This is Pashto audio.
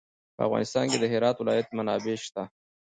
په افغانستان کې د هرات ولایت منابع شته.